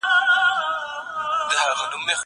زه له سهاره ځواب ليکم!؟